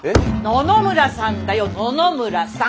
野々村さんだよ野々村さん！